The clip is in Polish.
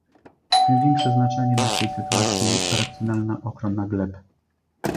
Tym większe znaczenie ma w tej sytuacji racjonalna ochrona gleb